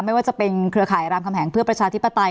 ไม่ว่าจะเป็นเครือข่ายรามคำแหงเพื่อประชาธิปไตย